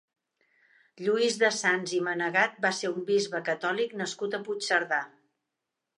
Lluís de Sanç i Manegat va ser un bisbe catòlic nascut a Puigcerdà.